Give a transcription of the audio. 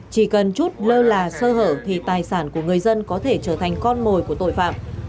chỉ cần chút lơ là sơ hở thì tài sản của người dân có thể trở thành con mồi của tội phạm